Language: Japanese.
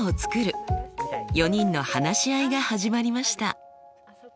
４人の話し合いが始まりました。